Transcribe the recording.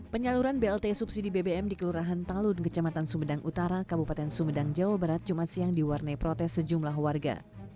penyaluran blt subsidi bbm di kelurahan talun kecamatan sumedang utara kabupaten sumedang jawa barat jumat siang diwarnai protes sejumlah warga